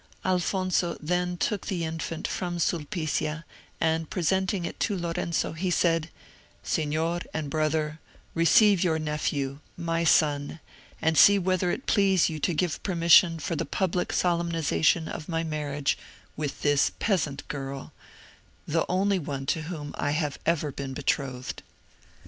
Alfonso then took the infant from Sulpicia, and, presenting it to Lorenzo, he said, "Signor and brother, receive your nephew, my son, and see whether it please you to give permission for the public solemnisation of my marriage with this peasant girl—the only one to whom I have ever been betrothed."